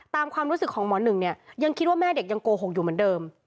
ความรู้สึกของหมอหนึ่งเนี่ยยังคิดว่าแม่เด็กยังโกหกอยู่เหมือนเดิม